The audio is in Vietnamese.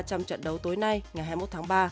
trong trận đấu tối nay ngày hai mươi một tháng ba